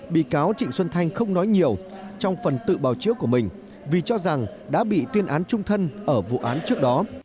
bị cáo trịnh xuân thanh không nói nhiều trong phần tự bào chữa của mình vì cho rằng đã bị tuyên án trung thân ở vụ án trước đó